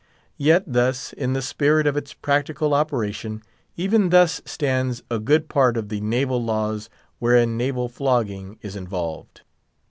Yet thus, in the spirit of its practical operation, even thus, stands a good part of the naval laws wherein naval flogging is involved.